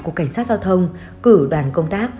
cục cảnh sát giao thông cử đoàn công tác